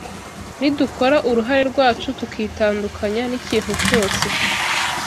nidukora uruhare rwacu tukitandukanya n’ikintu cyose